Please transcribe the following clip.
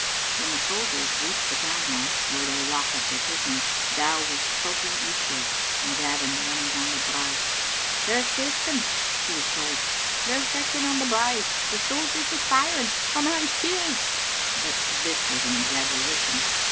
When the soldiers reached the town house, where they locked up their prisoners, Dow was skulking east ward, and Gavin running down the brae. "They're fechting," he was told, "they're fechting on the brae, the sojers is firing, a man's killed!" But this was an exaggeration.